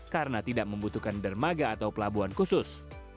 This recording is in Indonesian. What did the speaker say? yang memiliki peningkatan kekuasaan hingga seratus ton